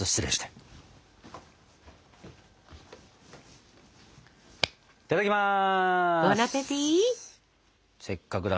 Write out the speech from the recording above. いただきます！